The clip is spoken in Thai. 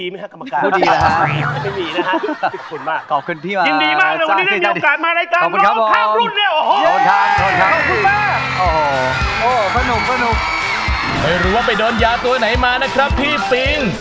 ไม่รู้ว่าไปโดนยาตัวไหนมานะครับพี่ฟิล์